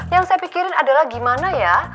yang saya pikirin adalah gimana ya